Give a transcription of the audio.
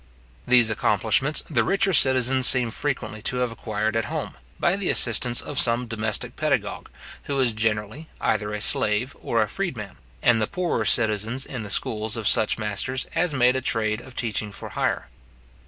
These accomplishments the richer citizens seem frequently to have acquired at home, by the assistance of some domestic pedagogue, who was, generally, either a slave or a freedman; and the poorer citizens in the schools of such masters as made a trade of teaching for hire.